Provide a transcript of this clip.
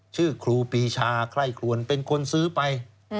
ชื่อครูปีชาใคร่คลวนเป็นคนซื้อไป